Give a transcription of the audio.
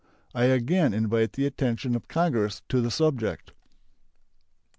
I again invite the attention of Congress to the subject.